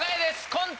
コント